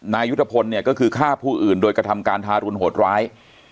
นายยุทธพลเนี่ยก็คือฆ่าผู้อื่นโดยกระทำการทารุณโหดร้าย